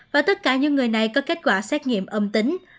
và tất cả những người này có kết quả xét nghiệm âm tính